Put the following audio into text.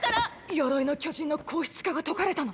鎧の巨人の硬質化が解かれたのは！！